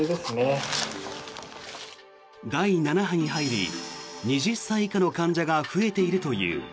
第７波に入り２０歳以下の患者が増えているという。